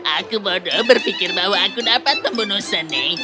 aku bodoh berpikir bahwa aku dapat membunuh seni